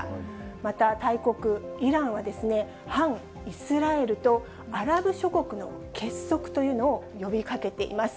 また大国イランは、反イスラエルとアラブ諸国の結束というのを呼びかけています。